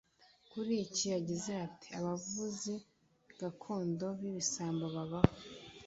Kuri iki yagize ati “Abavuzi gakondo b’ibisambo babaho